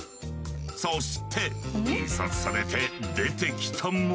そして印刷されて出てきたものは。